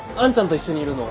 一緒にいるの